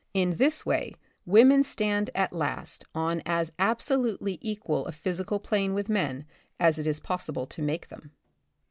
In this way women stand at last on as absolutely equal a physical plane with men as it is possible to make them.